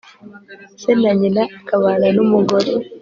se na nyina akabana n'umugore